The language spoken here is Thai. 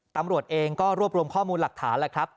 ตำรวจเองก็รวบรวมข้อมูลหลักฐานแหละครับ